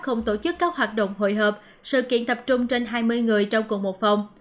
không tổ chức các hoạt động hội hợp sự kiện tập trung trên hai mươi người trong cùng một phòng